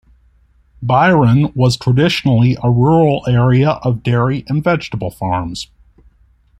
Byron was traditionally a rural area of dairy and vegetable farms.